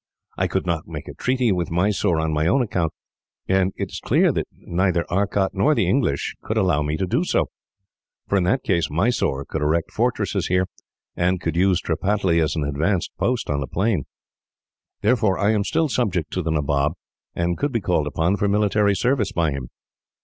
"I could not make a treaty with Mysore on my own account, and it is clear that neither Arcot nor the English could allow me to do so, for in that case Mysore could erect fortresses here, and could use Tripataly as an advanced post on the plain. Therefore, I am still subject to the Nabob, and could be called upon for military service by him.